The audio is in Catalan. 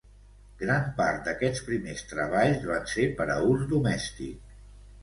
Gran part d'aquests primers treballs van ser per a ús domèstic.